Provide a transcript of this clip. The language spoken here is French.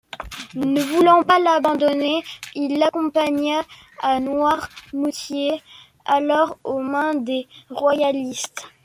Ne voulant pas l'abandonner, il l'accompagna à Noirmoutier, alors aux mains des Royalistes.